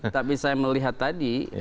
tapi saya melihat tadi